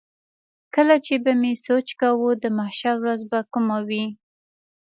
کله چې به مې سوچ کاوه د محشر ورځ به کومه وي.